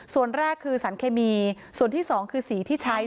ส่วนแรกคือสารเคมีส่วนที่สองคือสีที่ใช้